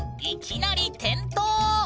いきなり転倒。